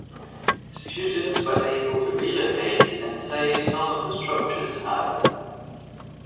Students were able to relocate and save some of the structures, however.